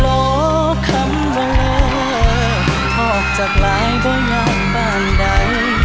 โอ้คำเบลอทอกจากหลายบ่อยอย่างบ้านใด